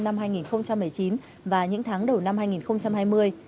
năm hai nghìn một mươi chín và những tháng đầu năm hai nghìn hai mươi